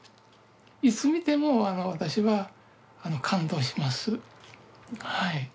いつ見ても私は感動しますはい。